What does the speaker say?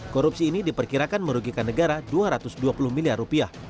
korupsi ini diperkirakan merugikan negara rp dua ratus dua puluh miliar